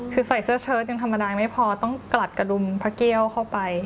คือใส่เสื้อเชิดยังธรรมดาไม่พอต้องกลัดกระดุมพระเกี้ยวเข้าไป